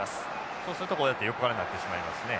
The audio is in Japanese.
そうするとこうやって横からになってしまいますね。